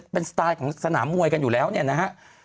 เป็นสไตล์ของสนามมวยกันอยู่แล้วเนี่ยนะฮะ